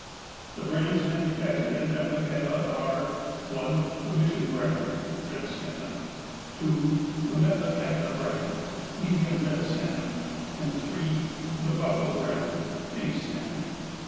The brands manufactured at Metlakahtla are : 1. The " Mission Brand " (red salmon). 2. The ''Metlakahtla Brand" (medium red salmon). 3. The '' Buckle Brand " (pink salmon).